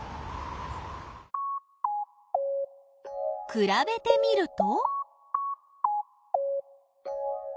くらべてみると？